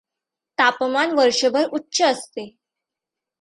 तापमान वर्षभर उच्च असते.